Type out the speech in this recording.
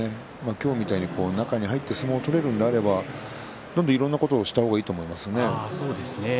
今日みたいに中に入って相撲を取れるのであればどんどんいろんなことをした方がいいと思いますね。